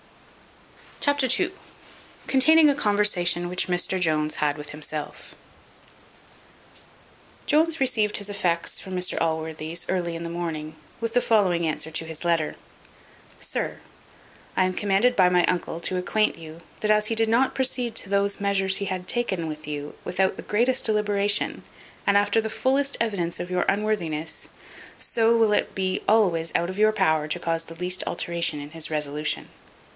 Chapter ii. Containing a conversation which Mr Jones had with himself. Jones received his effects from Mr Allworthy's early in the morning, with the following answer to his letter: "SIR, "I am commanded by my uncle to acquaint you, that as he did not proceed to those measures he had taken with you, without the greatest deliberation, and after the fullest evidence of your unworthiness, so will it be always out of your power to cause the least alteration in his resolution.